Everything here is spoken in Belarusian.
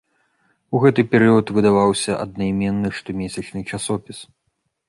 У гэты перыяд выдаваўся аднайменны штомесячны часопіс.